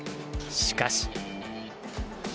しかし。